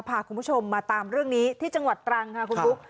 พาคุณผู้ชมมาตามเรื่องนี้ที่จังหวัดตรังค่ะคุณบุ๊ค